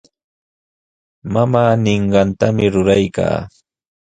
Mamaa ninqantami ruraykaa.